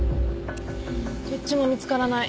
こっちも見つからない。